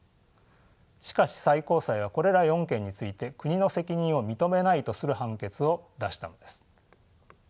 しかし最高裁はこれら４件について国の責任を認めないとする判決を出したのです。